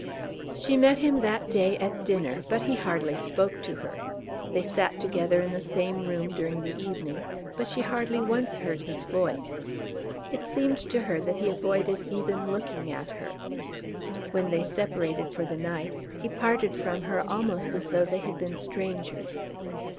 She met him that day at dinner, but he hardly spoke to her. They sat together in the same room during the evening, but she hardly once heard his voice. It seemed to her that he avoided even looking at her. When they separated for the night he parted from her almost as though they had been strangers.